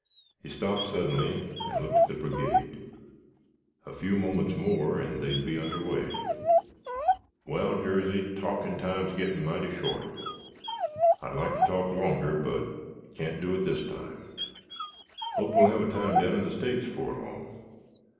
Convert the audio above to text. He stopped suddenly and looked at the brigade. A few moments more and they would be under way. "Wal, Jarsey, talkin' time's gittin' mighty short. I'd like to talk longer, but can't do it this time. Hope we'll have a time down in the States 'fore long."